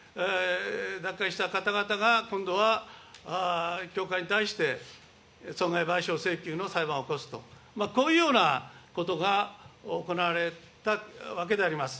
脱会した方々が、今度は教会に対して、損害賠償請求の裁判を起こすと、こういうようなことが行われたわけであります。